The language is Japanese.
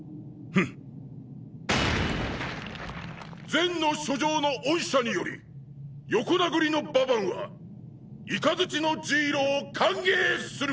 ゼンの書状の恩赦により横殴りのババンは雷のジイロを歓迎する！